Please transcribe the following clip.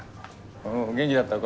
元気だったか？